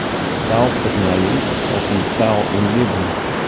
Taalfernijing hâldt in taal yn libben.